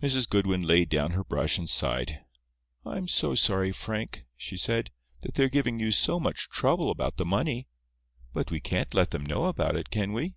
Mrs. Goodwin laid down her brush and sighed. "I am so sorry, Frank," she said, "that they are giving you so much trouble about the money. But we can't let them know about it, can we?"